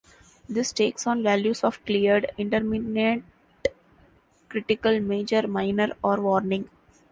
This takes on values of cleared, indeterminate, critical, major, minor or warning.